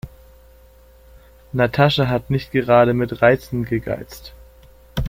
Natascha hat nicht gerade mit Reizen gegeizt.